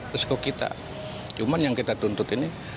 posko kita cuma yang kita tuntut ini